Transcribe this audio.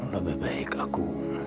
lebih baik aku